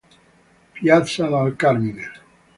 Piazza del Carmine